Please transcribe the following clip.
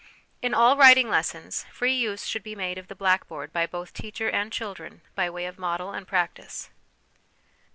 In all writing lessons, free use should be made of the black board by both teacher and children by way of model and practice.